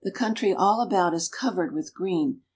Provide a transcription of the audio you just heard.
■>,• 1 try all about is covered with green.